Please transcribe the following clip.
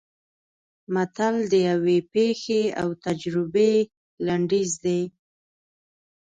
متل د یوې پېښې او تجربې لنډیز دی